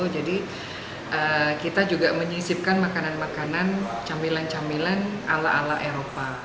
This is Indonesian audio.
jadi kita juga menyisipkan makanan makanan camilan gaya londo dan juga makanan makanan yang terkenal di yogyakarta